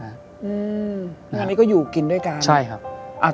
อันนี้ก็อยู่กินด้วยกันใช่ครับ